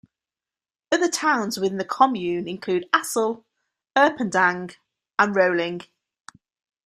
Other towns within the commune include Assel, Erpeldange, and Rolling.